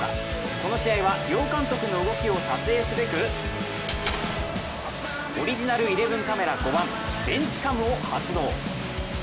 この試合は両監督の動きを撮影すべくオリジナルイレブンカメラ５番ベンチＣＡＭを発動。